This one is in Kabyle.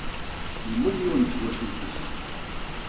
Yemmut yiwen deg twacult-nnes.